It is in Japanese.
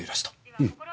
うん。